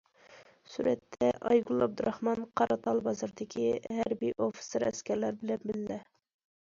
سۈرەتتە: ئايگۈل ئابدۇراخمان قاراتال بازىرىدىكى ھەربىي ئوفىتسېر- ئەسكەرلەر بىلەن بىللە.